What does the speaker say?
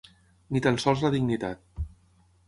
Ni tan sols la dignitat.